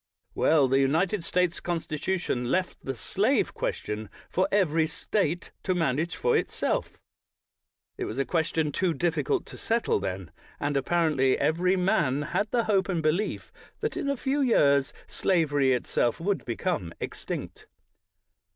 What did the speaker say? Well, the United States Constitution left the slave question for every State to manage for itself. It was a question too difficult to settle then, and apparently every man had the hope and belief that in a few years slavery itself would become extinct.